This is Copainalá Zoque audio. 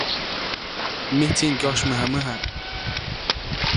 Mijtsi ŋyosymäjamäja.